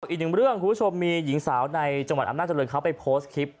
อีกหนึ่งเรื่องคุณผู้ชมมีหญิงสาวในจังหวัดอำนาจริงเขาไปโพสต์คลิป